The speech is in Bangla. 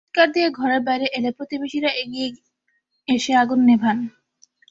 তিনি চিৎকার দিয়ে ঘরের বাইরে এলে প্রতিবেশীরা এগিয়ে এসে আগুন নেভান।